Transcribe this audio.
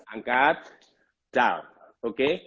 angkat down oke